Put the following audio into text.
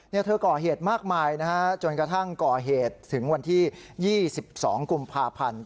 เธอก่อเหตุมากมายนะฮะจนกระทั่งก่อเหตุถึงวันที่๒๒กุมภาพันธ์